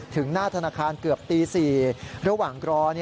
ถึงหน้าธนาคารเกือบตี๔ระหว่างรอ